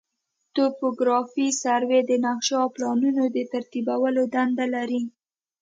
توپوګرافي سروې د نقشو او پلانونو د ترتیبولو دنده لري